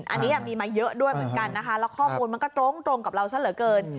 อันนี้มีมาเยอะด้วยเหมือนกันนะคะแล้วข้อมูลมันก็ตรงกับเราซะเหลือเกิน